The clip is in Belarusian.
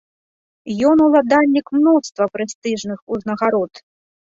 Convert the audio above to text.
Ён ўладальнік мноства прэстыжных узнагарод.